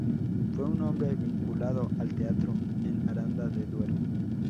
Fue un hombre vinculado al teatro en Aranda de Duero.